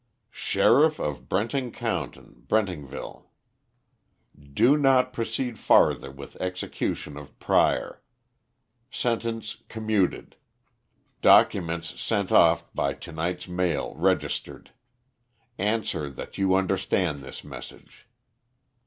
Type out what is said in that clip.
"Sheriff of Brenting County, Brentingville. "Do not proceed further with execution of Prior. Sentence commuted. Documents sent off by to night's mail registered. Answer that you understand this message.